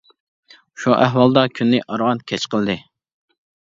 شۇ ئەھۋالدا كۈننى ئاران كەچ قىلدى.